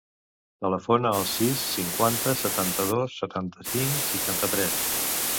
Telefona al sis, cinquanta, setanta-dos, setanta-cinc, seixanta-tres.